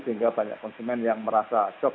sehingga banyak konsumen yang merasa shock